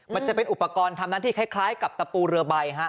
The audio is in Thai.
มันจะเป็นอุปกรณ์ทำนั้นที่คล้ายกับตะปูเรือใบฮะ